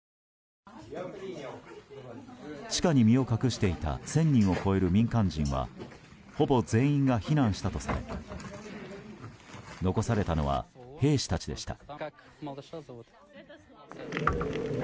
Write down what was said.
地下に身を隠していた１０００人を超える民間人はほぼ全員が避難したとされ残されたのは兵士たちでした。